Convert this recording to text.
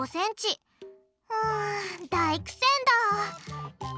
うん大苦戦だ！